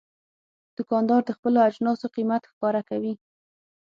دوکاندار د خپلو اجناسو قیمت ښکاره کوي.